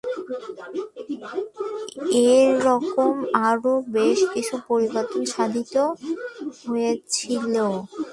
এরকম আরও বেশ কিছু পরিবর্তন সাধিত হয়েছিল।